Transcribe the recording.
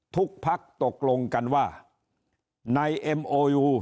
ทุกภัคดิ์ตกลงกันว่ามันจะขอมูลเทพธิมเมาสำหรับสุริทธิ์